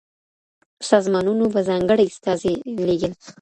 سازمانونو به ځانګړي استازي لیږل.